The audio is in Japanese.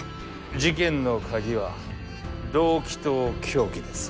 事件の鍵は「動機」と「凶器」です。